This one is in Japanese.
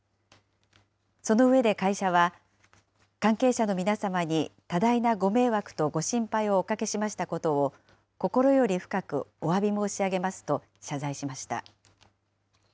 その上で会社は、関係者の皆様に多大なご迷惑とご心配をおかけしましたことを心より深くおわび申し上げますと謝罪しました。